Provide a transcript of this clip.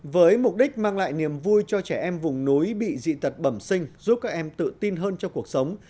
với mục đích mang lại niềm vui cho trẻ em vùng núi bị dị tật bẩm sinh giúp các em tự tin hơn cho cuộc sống